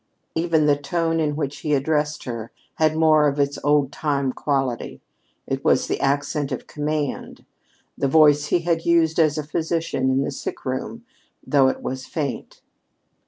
Even the tone in which he addressed her had more of its old time quality. It was the accent of command, the voice he had used as a physician in the sick room, though it was faint.